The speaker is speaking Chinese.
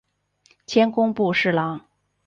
迁工部侍郎。